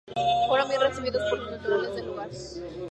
Fueron bien recibidos por los naturales del lugar.